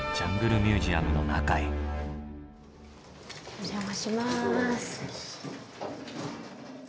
お邪魔します。